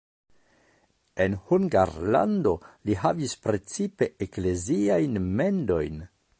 En Hungarlando li havis precipe ekleziajn mendojn.